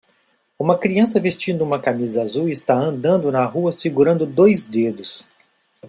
Uma criança vestindo uma camisa azul está andando na rua segurando dois dedos.